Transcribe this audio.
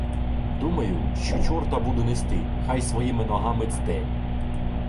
Думаю: що, чорта буду нести — хай своїми ногами цде.